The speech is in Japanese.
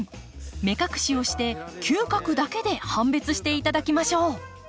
目隠しをして嗅覚だけで判別していただきましょう！